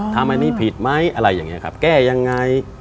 ทำอันนี้ผิดไหมอะไรอย่างนี้ครับแก้ยังไง